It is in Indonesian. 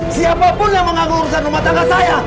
siapapun yang mengganggu urusan rumah tangga saya